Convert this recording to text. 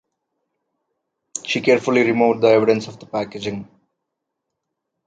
She carefully removed the evidence of the packaging.